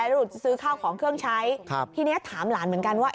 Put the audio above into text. ลูกจะซื้อข้าวของเครื่องใช้ครับทีนี้ถามหลานเหมือนกันว่า